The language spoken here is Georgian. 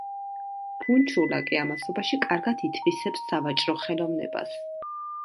ფუნჩულა კი ამასობაში კარგად ითვისებს სავაჭრო ხელოვნებას.